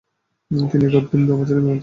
তিনি এগারো দিন নামাজের ইমামতি করেন।